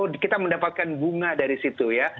kita mendapatkan bunga dari situ ya